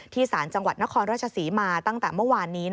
ศาลจังหวัดนครราชศรีมาตั้งแต่เมื่อวานนี้